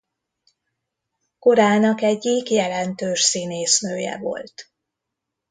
Korának egyik jelentős színésznője volt.